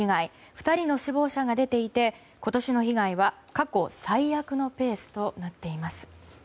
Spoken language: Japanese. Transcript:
２人の死亡者が出ていて今年の被害は過去最悪のペースとなっています。